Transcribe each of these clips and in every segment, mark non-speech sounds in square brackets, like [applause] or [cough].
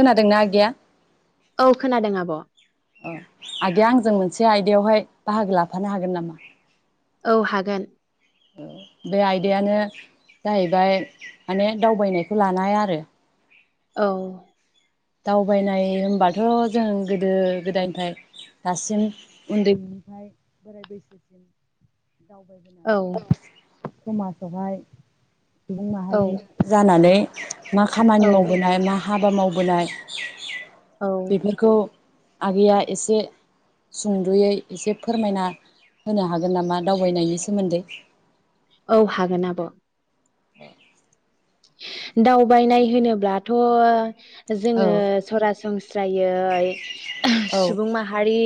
खोनादोंना आगैया औ खोनादों आब'। अ आगैया आंजों मोनसे आयदायावहाय बाहागो लाफानो हागोन नामा? औ हागोन। औ बे आयदायानो जाहैबाय माने दावबायनायखौ लानाय आरो औ दावबायनाय होमबाथ' जों गोदो गोदायनिफ्राय दासिम उन्दैनिफ्राय बोराय बैसोसिम औ दावबायबोनानै औ समाजावहाय सुबुं औ माहारि जानानै मा खामानि औ मावबोनाय मा हाबा मावबोनाय औ [inaudible] बेफोरखौ आगैया एसे सुंदुयै एसे फोरमायना होनो हागोन नामा दावबायनायनि सोमोन्दै? औ हागोन आब'। अ दावबायनाय होनोब्लाथ' जोङो औ सरासनस्रायै औ सुबुं माहारि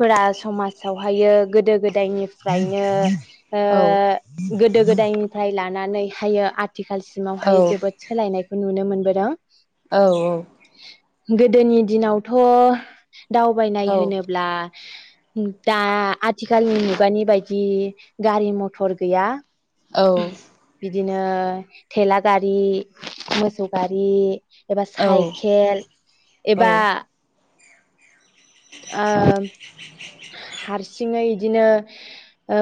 फोरा समाजावहायो गोदो गोद दाय निफ्रायनो ओ गोदो गोदायनिफ्राय ला नानै हायो आथिखाल सिमावहाय जोबोद सोलायनाय खौ नुनो मोनबोदों। औ औ गोदोनि दिनावथ' दावबायनाय होनोब्ला दा आथिखालनि मुगानि बायदि गारि मथर गैया। औ दिनो थेला गारि मोसौ गारि एबा साइकेल एबा ओम हारसिङै दिनो ओ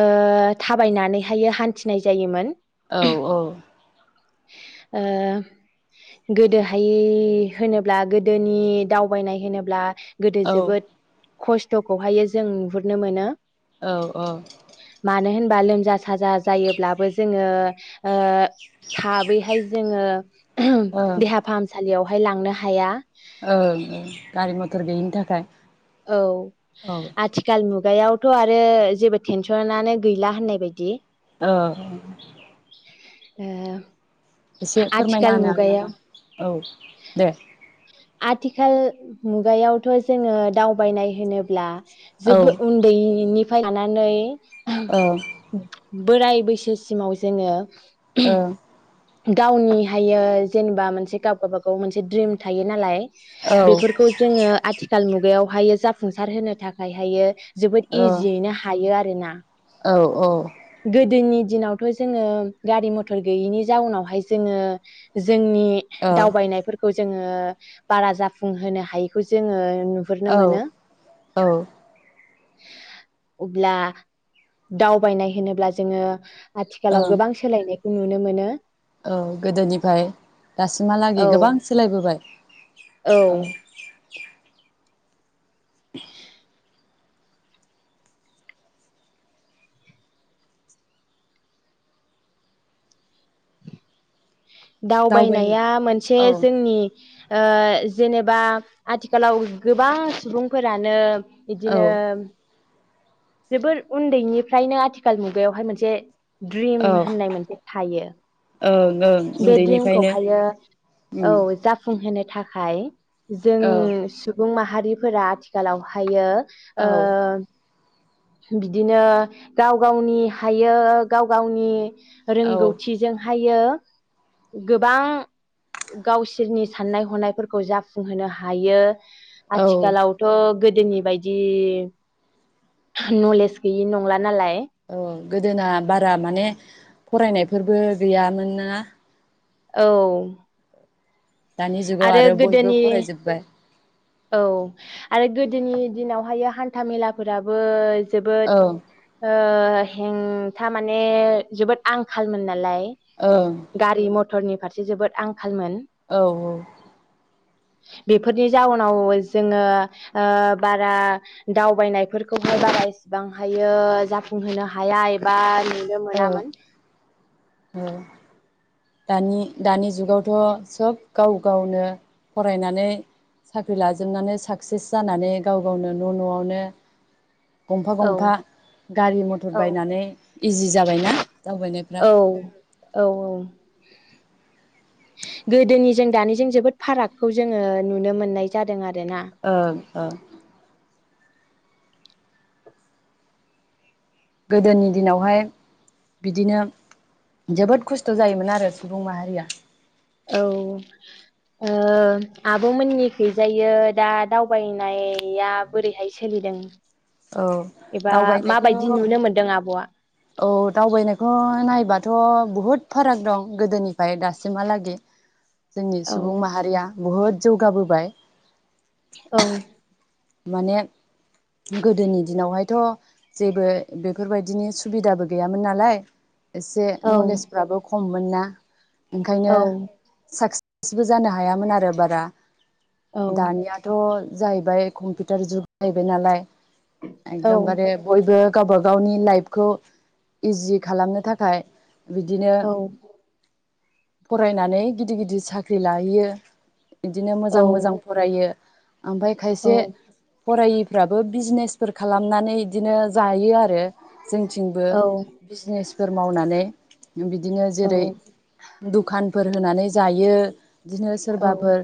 थाबायनानैहाय हान्थिनाय जायोमोन। औ ओ गोदोहाय होनोब्ला गोदोनि दावबायनाय होनोब्ला गोदो जोबोद खस्थ'खौहायो जों नुहुरनो मोनो। औ औ बा लोमजा साजा जायोब्लाबो जोङो [inaudible] ओ थाबैहाय जोङो देहा फाहामसालियाव बेहाय लांनो हाया ओंं ओं गारि मथर गैयिनि थाखाय औ औ आथिखाल मु गायावथ' आरो जेबो टेनसनानो गैला होननाय बायदि औ ओ एसे फोरमायना आथिखाल होनो हागोन मुगायाव नामा औ दे आथिखाल मुगायावथ' जोङो दावबायनाय होनोब्ला औ जेबो ओ उन्दैनि फाय लानानै ओ ओम बोराय बैसोसिमाव जोङो औ गावनि हायो जेनेबा मोनसे गाव गबागाव मोनसे द्रिम थायो नालाय ओ बेफोरखौ जोङो आथिखाल मुगायाव हायो जाफुंसार होनो थाखाय हायो जोबोद इजियैनो हायो आरो ना औ औ दिनावथ' जोङो गारि मथर गैयिनि जाउनावहाय जोङो जोंनि औ दावबायनायफोरखौ जोङो बारा जाफुंहोनो हायैखौ जोङो नुहुरनो मोनो औ अब्ला दावबायनाय होनोब्ला जोङो आथिखालाव ओं गोबां सोलायनाय नुनो मोनो। औ गोदोनिफ्राय दासिम औ हालागि गोबां सोलायबोबाय औ [inaudible] दावबायनो दावबायनाया मोनसे औ जोंनि ओ जेनेबा आथिखालाव गोबां सुबुंफोरानो औ इदिनो जोबोर उन्दैनिफ्रायनो आथिखाल मुगायावहाय मोनसे ड्रिम औ होननाय मोनसे थायो। ओं ओं बे उन्दैनिफ्रायनो ड्रिमखौहायो औ उम जाफुं होनो थाखाय जों औ सुबुं मा हारिफोरा आथिखालाव हायो ओ औ बिदिनो गाव गावनि हायो गाव गावनि औ रोंगौथिजों हायो गोबां गावसोरनि साननाय हनायफोरखौ जाफुंहोनो हायो। औ आथिखालावथ' गोदोनि बायदि नलेज गैयि नंला नालाय। औ गोदोना बारा माने फरायनायफोरबो गैयामोन ना औ दानि जुगाव आरो बयबो फरायजोब्बाय। औ आरो गोदोनि दिनावहायो हान्था मेलाफोराबो जोबोद ओं ओ हेंथा माने जोबोद आंखालमोन नालाय ओं गारि म टरनि फारसे जोबोद आंखालमोन। औ औ बेफोरनि जाउन आव जोङो ओ बारा दावबायनायफोरखौहाय बारा एसेबां हायो जाफुंहोनो हाया एबा नुनो ओ मोनामोन। औ दानि दानि जुगावथ सब गाव गावनो फरायनानै साख्रि लाजोबनानै साक्सेस जानानै गाव गावनो न' न'आवनो गंफा औ गंफा गारि मथर औ बायनानै इजि जाबायना दावबायनायफ्रा। औ औ औ। गोदोनि जों दानिजों जोबोद फारागखौ जोङो नुनो मोननाय जादों आर ओं ओं गोदोनि दिनावहाय बिदिनो जोबोद खस्थ जायोमोन आरो सुबुं माहारिया। औ ओ आब मोननिखैजायो दा दावबायनाया बोरैहाय सोलिदों? औ एबा दावबायनायखौ माबायदि नुनो मोनदों आबआ? औ दावबायनायखौ नायबाथ बुहुद फाराग दं गोदोनिओफाय दासिमहालागि जोंनि औ सुबुं माहारिया बुहुद जौगाबोबाय। औ माने गोदोनि दिनावहायथ जेबो बेफोरबायदिनि सुबिदाबो गैयामोन नालाय। एसे औ नलेजफोराबो खममोनना [inaudible] ओंखायनो औ साक सेजबो जानो हायामोन आरो बारा। औ दानियाथ जाहैबाय कम्पिउटार जुग जाहैबाय नालाय। औ एदमबारे बयबो गाबा गावनि लाइफखौ इजि खालामनो थाखाय बिदिनो औ फरायनानै गिदिर गिदिर साख्रि लाहैयो। इदिनो मोजां औ मोजां फरायो आमफ्राय औ खायसे फरायिफ्राबो बिजनेसफोर खालामनानै इदिनो जायो आरो। जोंनिथिंबो औ बिजनेस फोर मावनानै। उ बिदिनो जेरै दुखानफोर होनानै जायो। बिदिनो औ सोरबाफोर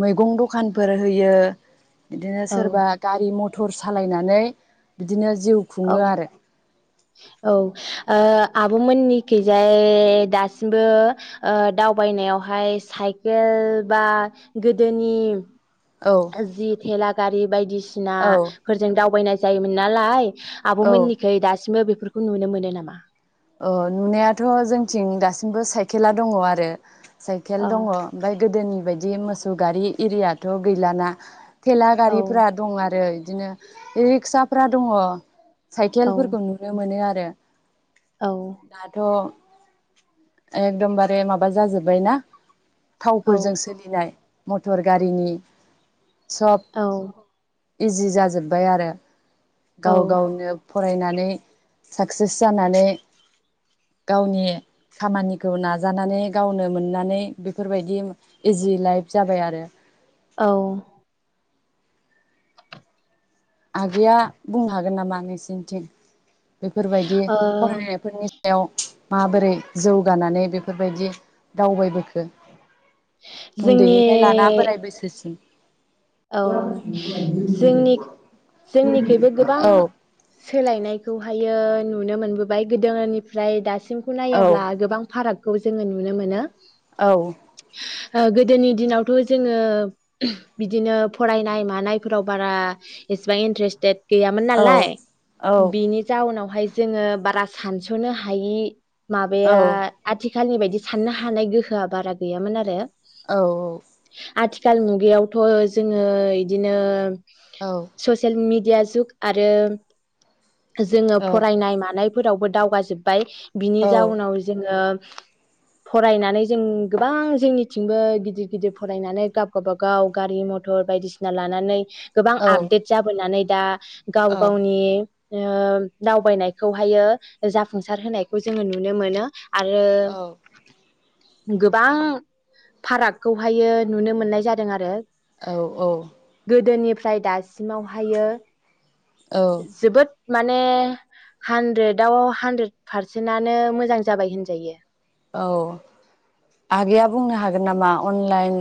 मैगं दखानफोर होयो। इदिनो औ सोरबा गारि मथ टर सालायनानै बिदिनो जिउ खुङो आरो। औ ओ आब' मोननिखैजाय दासिमबो ओ दावबायनायावहाय साइकेल बा गोदोनि औ जि थेलागारि औ बायदिसिनाफोरजों दावबायनाय जायो मोननालाय औ आबमोननिखै दासिमबो बे बेफोरखौ नुनो मोनो नामा अ नुनायाथ जोंथिं दासिमबो साइकेला दङ आरो साइकेल औ दङ ओमफ्राय गोदोनि बेबायदि मोसौ गारि एरियाथ गैलाना थेला औ गारिफोरा दं आरो बिदिनो रिक्साफ्रा दङ औ साइकेलफोरखौ नुनो मोनो आरो दे औ दाथ एकदमबारे माबा जाजोबबाय ना औ थावफोरजों सोलिनाय मटर गारिनि सब औ इजि जाजोबबाय आरो औ गाव गावनो फरायनानै साक्सेस जानानै गावनि खामानिखौ नाजानानै गावनो मोननानै बेफोरबायदि इजि लाइफ जाबाय आरो औ आगैया बुंनो हागोन नामा नोंसिोरनिथिं बेफोरबायदि ओ फरायनायफोरनि याव माबोरै जौगानानै बेफोरबायदि दावबायबोखो जोंनि उन्दैनिफ्राय लाना बोराय बैसोसिम औ जोंनि [unintelligible] जोंनिखैबो गोबां औ सोलायनायखौहाय नुनो मोनबोबाय गोदोनिफ्राय दासिम सि खौ औ नायोब्ला गोबां फाराग खौ जोङो नुनो मोनो औ गोदोनि दिनावथ' जोङो बिदिनो फरायनाय मानायफोराव बारा एसेबां इन्ट्रेस्टेट गैयामोन औ नालाय औ बिनि जाउनाव बेहाय जोङो बारा सानस'नो हायि औ माबाया आथिखाल आथिखालनि बायदि साननो हानाय गोहोआ बारा गैयामोन आरो औ औ आथिखाल मुगायाव थ' जोङो इदिनो औ ससेयेल मिड दिया जुग आरो जोङो औ फरायनाय मानाय फोरावबो दावगाजोबबाय बिनि औ जाउनाव जोङो फरायनानै जों गोबां जोंनिथिंबो गिदिर गिदिर फरायनानै गाब गा बागाव गारि मथर बायदिसिना लानानै गोबां आपडेट जाबोनानै दा गाव गावनि ओ दावबायनायखौहायो जाफुंसार होनायखौ जोङो नुनो मोनो। आरो गोबां फारागखौहायो नुनो मोननाय जादों आरो औ औ फ्राय दासिमावहायो औ जोबोद माने हानद्रेदाव हानद्रेद पारसेनानो मोजां जाबाय होनजायो। औ आगैया बुंनो हागोन नामा अनलाइन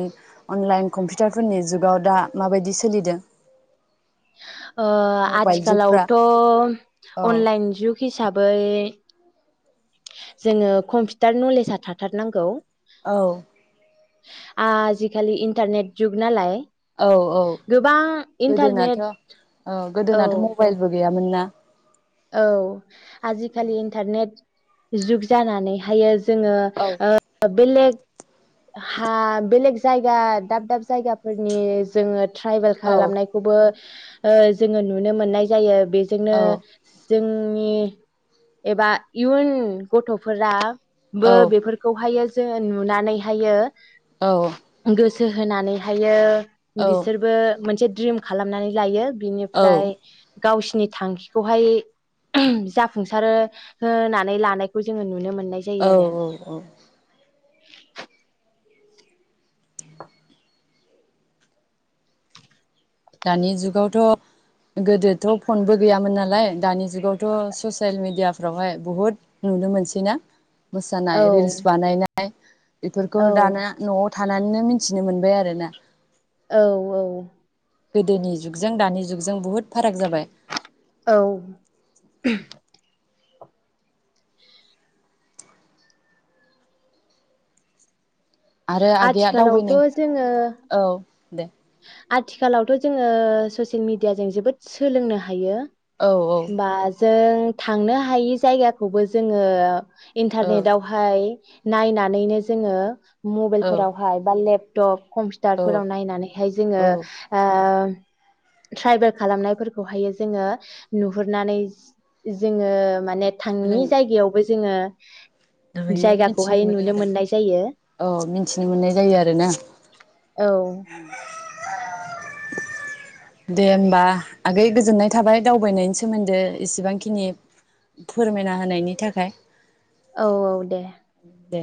अनलाइन कम्पिउटारफोरनि जुगाव दा माबायदि सोलिदों? ओ मबाइल जुगफ्रा आथिखालावथ' औ अनलाइन जुग हिसाबै जोङो कम्पिटार नलेस आ थाथारनांगौ। औ आजिखालि इन्टारनेट जुग नालाय औ औ गोबां इन्टारनेट गोदोनाथ' औ औ गोदोनाथ' मबाइलबो गैया मोनना औ आजिखालि इन्टारनेट जुग जानानैहायो जोङो औ ओ बेलेग हा बेलेग जायगा दाब दाब जायगाफोरनि जोङो ट्राइभेल औ खालामनायखौबो ओ जोङो नुनो मोननाय जायो। बेजोंनो औ जोंनि एबा इयुन गथ'फोरा औ बो बेफोरखौहायो जोङो नुनानैहायो औ [unintelligible] होनानैहायो बिसोरबो मोनसे द्रिम खालामनानै लायो औ बिनिफ्राय गावसिनि थांखिखौहाय जाफुंसार होनानै लानायखौ जोङो नुनो मोनो औ औ औ दानि जुगावथ' गोदोथ' फनबो गैयामोन नालाय दानि जुगावथ' ससियेल मिेडियाफ्रावहाय बुहुद नुनो मोनसैना औ मोसानाय रिल्स बानायनाय [unintelligible] बेफोरखौ औ दाना न'आव थानानैनो मिथिनो मोनबाय आरोना औ औ गोदोनि जुगजों दानि जुगजों बुहुद फाराग जाबाय औ [unintelligible] आरो आगैया आथिखालावथ' दावबायनायनि जोङो औ दे आथिखालावथ' जोङो ससियेल मिेडियाजों जोबोद सोलोंनो हायो औ औ बा जों थांनो हायि जायगाखौबो जोङो औ इन्टारनेटावहाय नायनानैनो जोङो औ मबाइलफोरावहाय बा लेप टप औ कम्पिउटारफोराव नायनानै जोङो औ आ आम ट्राइभेल खालामनायफोरखौहायो जोङो नुहुरनानै जोङो माने थांनि जायगायावबो जोङो नुयो मिथिनो जायगाखौहाय मोनो नुनो आरो मोननाय जायो औ मिथिनो मोननाय जायो आरोना। औ दे होनबा आगै गोजोननाय थाबाय दावबायनायनि सोमोन्दै इसेबांखिनि फोरमायना होनायनि थाखाय। औ औ दे। दे